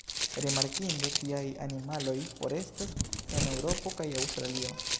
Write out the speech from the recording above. Rimarkinde, tiaj animaloj forestas en Eŭropo kaj Aŭstralio.